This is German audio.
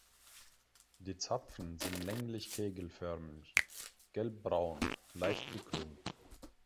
Die Zapfen sind länglich-kegelförmig, gelbbraun, leicht gekrümmt.